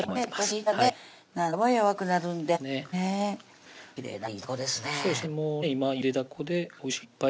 きれいないいたこですね